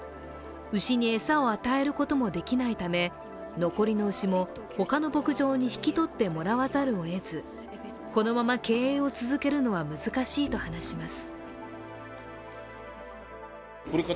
牛に餌を与えることもできないため残りの牛も他の牧場に引き取ってもらわざるをえずこのまま経営を続けるのは難しいと話します。